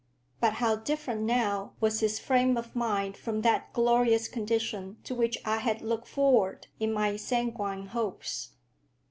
But how different now was his frame of mind from that glorious condition to which I had looked forward in my sanguine hopes!